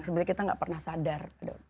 sebenarnya kita nggak pernah sadar